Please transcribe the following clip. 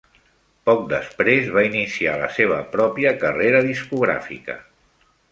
Poc després va iniciar la seva pròpia carrera discogràfica.